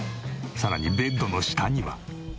さらにベッドの下には。